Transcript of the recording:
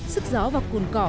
sức gió vào cồn cỏ